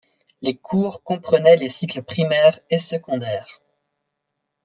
Les cours comprenaient les cycles primaire et secondaire.